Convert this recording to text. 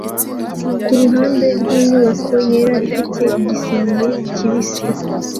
Kuruhande rwinyubako yera ifite igisenge kibisi